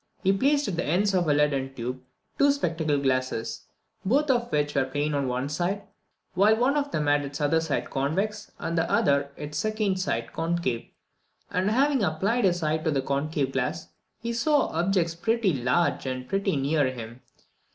He placed at the ends of a leaden tube two spectacle glasses, both of which were plain on one side, while one of them had its other side convex, and the other its second side concave, and having applied his eye to the concave glass, he saw objects pretty large and pretty near him.